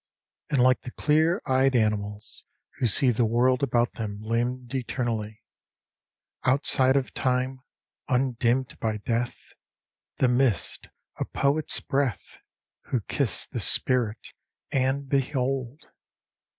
And like the clear eyed animals who see The world about them limned eternally, Outside of time, undimmed by death, The mist, a poet's breath, Who kissed the spirit, and behold